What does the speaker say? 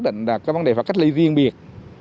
do đó chúng ta đã xác định vấn đề phải cách ly riêng biệt